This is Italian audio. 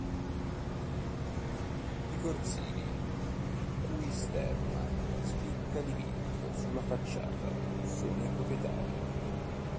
I Corsini, il cui stemma spicca dipinto sulla facciata, sono i proprietari.